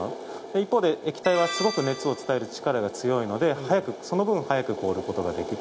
一方で液体はすごく熱を伝える力が強いのでその分早く凍らせることができる。